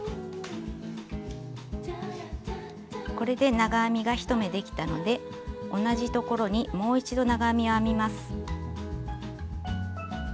これで長編みが１目できたので同じところにもう一度長編みを編みます。